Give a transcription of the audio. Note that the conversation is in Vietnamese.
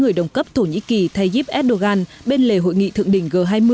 người đồng cấp thổ nhĩ kỳ thay giúp erdogan bên lề hội nghị thượng đỉnh g hai mươi